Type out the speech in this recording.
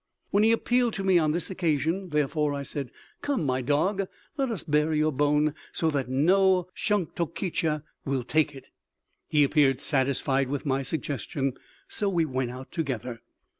When he appealed to me on this occasion, therefore, I said: "Come, my dog, let us bury your bone so that no Shunktokecha will take it." He appeared satisfied with my suggestion, so we went out together.